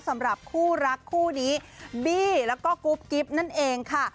สำหรับคู่รักคู่นี้บี้แล้วก็กุ๊บกิ๊บนั่นเองค่ะ